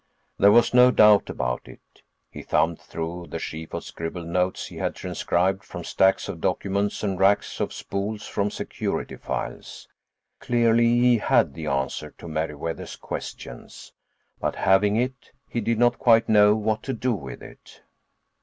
There was no doubt about it. He thumbed through the sheaf of scribbled notes he had transcribed from stacks of documents and racks of spools from Security files. Clearly, he had the answer to Meriwether's questions. But, having it, he did not quite know what to do with it.